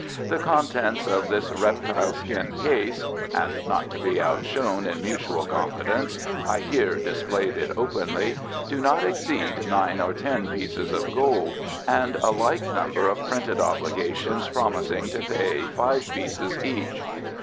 "The contents of this reptile skin case" and not to be outshone in mutual confidence I here displayed it openly "do not exceed nine or ten pieces of gold and a like number of printed obligations promising to pay five pieces each."